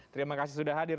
terima kasih sudah hadir